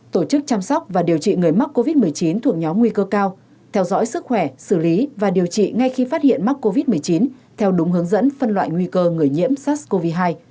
tổ chức chăm sóc và điều trị người mắc covid một mươi chín thuộc nhóm nguy cơ cao theo dõi sức khỏe xử lý và điều trị ngay khi phát hiện mắc covid một mươi chín theo đúng hướng dẫn phân loại nguy cơ người nhiễm sars cov hai